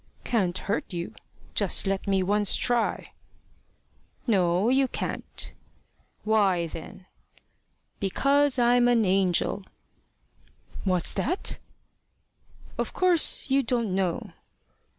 "Can't hurt you! Just let me once try." "No, you can't." "Why then?" "Because I'm an angel." "What's that?" "Of course you don't know."